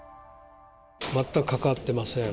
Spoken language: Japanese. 全く関わってません。